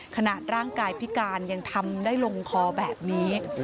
ขนาดร่างกายพิการยังทำได้ลงคอแบบนี้